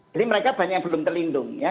jadi mereka banyak yang belum terlindung ya